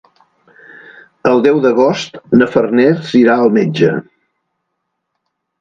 El deu d'agost na Farners irà al metge.